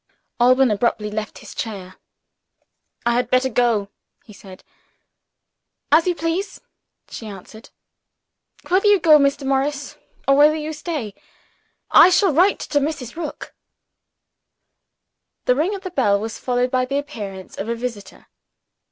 Alban abruptly left his chair. "I had better go!" he said. "As you please," she answered. "Whether you go, Mr. Morris, or whether you stay, I shall write to Mrs. Rook." The ring at the bell was followed by the appearance of a visitor.